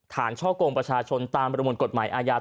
ช่อกงประชาชนตามประมวลกฎหมายอาญา